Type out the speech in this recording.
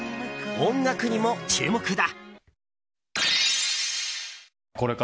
音楽にも注目だ。